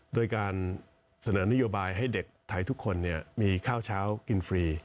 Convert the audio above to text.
โดยการเสนอนโยบายให้เด็กไทยทุกคนมีข้าวเช้ากินฟรี